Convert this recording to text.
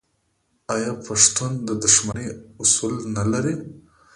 آیا پښتون د دښمنۍ اصول نلري؟